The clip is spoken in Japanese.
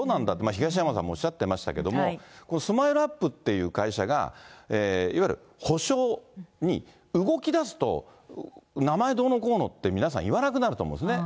東山さんもおっしゃってましたけども、このＳＭＩＬＥーＵＰ．って会社が、いわゆる補償に動きだすと、名前どうのこうのって、皆さん、言わなくなると思うんですね。